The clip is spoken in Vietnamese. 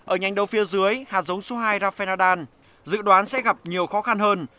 ở nhanh đấu phía dưới hạt giống số hai rafael nadal dự đoán sẽ gặp nhiều khó khăn hơn